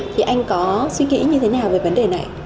thì anh có suy nghĩ như thế nào về vấn đề này